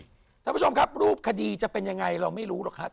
คุณผู้ชมครับรูปคดีจะเป็นยังไงเราไม่รู้หรอกครับ